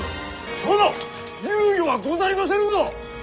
殿猶予はござりませぬぞ！